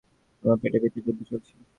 আমার পেটের ভেতর যুদ্ধ চলছে।